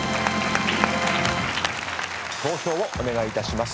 投票をお願いいたします。